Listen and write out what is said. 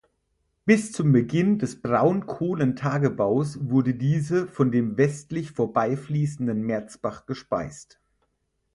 Bis zum Beginn des Braunkohlentagebaus wurde diese von dem westlich vorbeifließenden Merzbach gespeist.